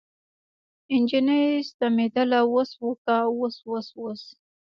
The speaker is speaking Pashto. نجلۍ ستمېدله اوس وکه اوس اوس اوس.